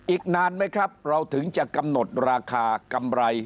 อีกนานไหมครับเราถึงจะกำหนดราคากำไร